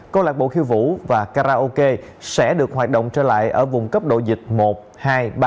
câu lạc bộ khiêu vũ và karaoke sẽ được hoạt động trở lại ở vùng cấp độ dịch một hai ba